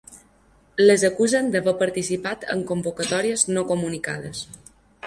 Les acusen d’haver participat en convocatòries no comunicades.